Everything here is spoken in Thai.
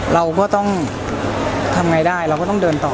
เราก็ต้องทำไงได้เราก็ต้องเดินต่อ